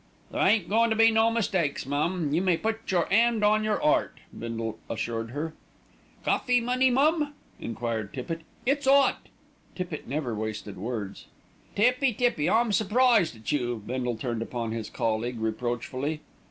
"There ain't goin' to be no mistakes, mum, you may put your 'and on your 'eart," Bindle assured her. "Cawfee money, mum?" enquired Tippitt. "It's 'ot." Tippitt never wasted words. "Tippy, Tippy! I'm surprised at you!" Bindle turned upon his colleague reproachfully.